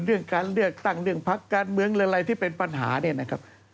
เรื่องการเลือกตั้งเรื่องพักการเมืองหรืออะไรที่เป็นปัญหาเนี่ยนะครับ